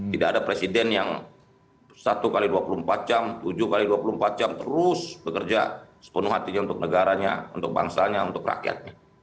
tidak ada presiden yang satu x dua puluh empat jam tujuh x dua puluh empat jam terus bekerja sepenuh hatinya untuk negaranya untuk bangsanya untuk rakyatnya